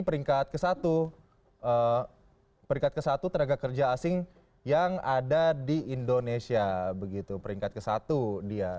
peringkat ke satu peringkat ke satu tenaga kerja asing yang ada di indonesia begitu peringkat ke satu dia